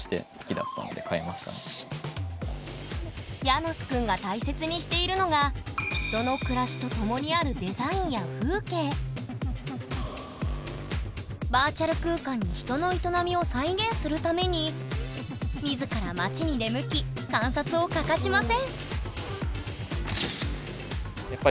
ヤノスくんが大切にしているのがバーチャル空間に人の営みを再現するために自ら街に出向き観察を欠かしません